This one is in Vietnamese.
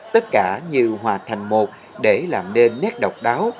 tất cả nhiều hòa thành một để làm nên nét độc đáo